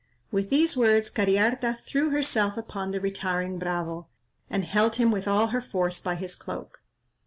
With these words, Cariharta threw herself upon the retiring bravo, and held him with all her force by his cloak.